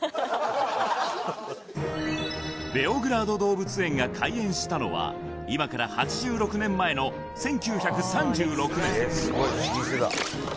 ベオグラード動物園が開園したのは今から８６年前の１９３６年